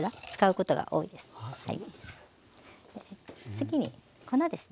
次に粉です。